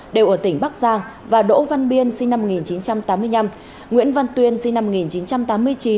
đều ở tỉnh bắc giang và đỗ văn biên sinh năm một nghìn chín trăm tám mươi năm nguyễn văn tuyên sinh năm một nghìn chín trăm tám mươi chín